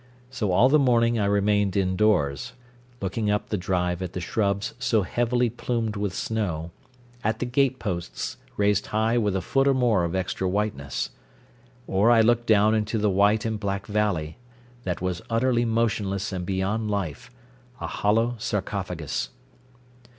So all the morning I remained indoors, looking up the drive at the shrubs so heavily plumed with snow, at the gateposts raised high with a foot or more of extra whiteness. Or I looked down into the white and black valley, that was utterly motionless and beyond life, a hollow sarcophagus.